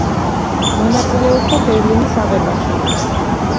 მონაწილეობდა ბერლინის აღებაში.